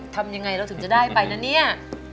ทำยังไงเราถึงจะได้ไปนะเนี่ย